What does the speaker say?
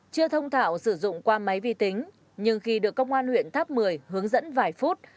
chưa thông thảo sử dụng qua máy vi tính nhưng khi được công an huyện tháp một mươi hướng dẫn vài phút